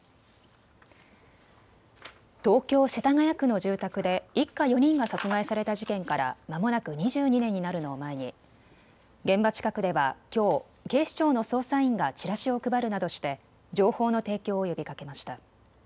東京世田谷区の住宅で一家４人が殺害された事件からまもなく２２年になるのを前に現場近くではきょう、警視庁の捜査員がチラシを配るなどして情報の提供を呼びかけました。